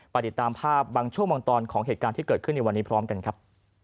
ติดตามภาพบางช่วงบางตอนของเหตุการณ์ที่เกิดขึ้นในวันนี้พร้อมกันครับ